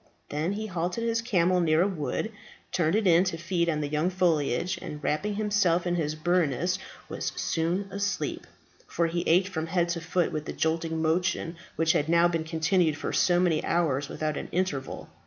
Then he halted his camel near a wood, turned it in to feed on the young foliage, and wrapping himself in his burnous was soon asleep, for he ached from head to foot with the jolting motion which had now been continued for so many hours without an interval.